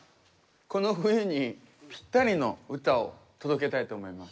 この冬にぴったりの歌を届けたいと思います。